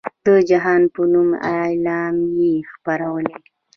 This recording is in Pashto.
د جهاد په نوم اعلامیې خپرولې.